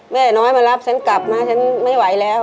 แม่น้อยมารับฉันกลับนะฉันไม่ไหวแล้ว